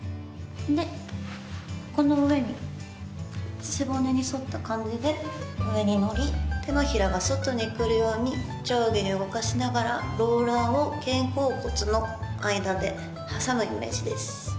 でこの上に背骨に沿った感じで上に乗り手のひらが外に来るように上下に動かしながらローラーを肩甲骨の間で挟むイメージです。